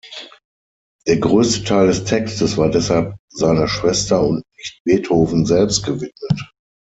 Der größte Teil des Textes war deshalb seiner Schwester und nicht Beethoven selbst gewidmet.